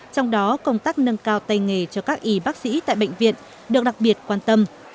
trong đó công tác nâng cao tay nghề cho các y bác sĩ tại bệnh viện được đặc biệt quan tâm